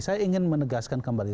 saya ingin menegaskan kembali